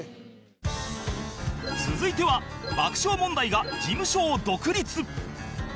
続いては爆笑問題が事務所を独立